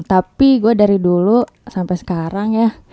tapi gue dari dulu sampai sekarang ya